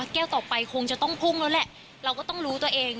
แก้วต่อไปคงจะต้องพุ่งแล้วแหละเราก็ต้องรู้ตัวเอง